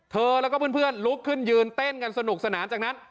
แล้วก็เพื่อนลุกขึ้นยืนเต้นกันสนุกสนานจากนั้น